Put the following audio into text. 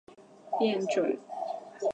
宽叶匐枝蓼为蓼科蓼属下的一个变种。